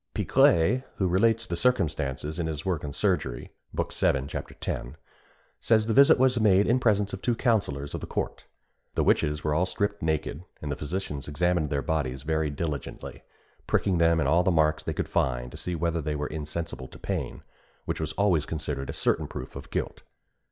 Pigray, who relates the circumstance in his work on Surgery (book vii. chap. 10), says the visit was made in presence of two counsellors of the court. The witches were all stripped naked, and the physicians examined their bodies very diligently, pricking them in all the marks they could find to see whether they were insensible to pain, which was always considered a certain proof of guilt.